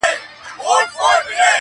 ولي هره ورځ اخته یو په غمونو،